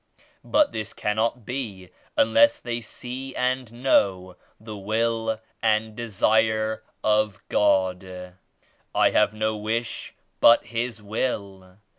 But this cannot be unless they see and know the Will and Desire of God. I have no wish but His Will.